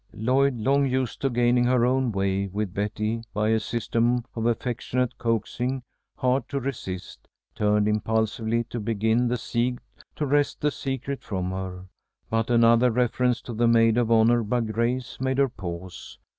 Lloyd, long used to gaining her own way with Betty by a system of affectionate coaxing hard to resist, turned impulsively to begin the siege to wrest the secret from her, but another reference to the maid of honor by Grace made her pause.